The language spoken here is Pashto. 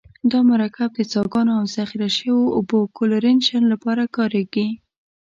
دا مرکب د څاګانو او ذخیره شویو اوبو کلورینیشن لپاره کاریږي.